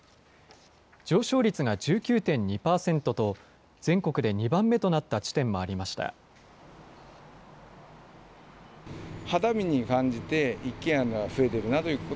上昇率が１９．２％と、全国で２番目となった地点もありました。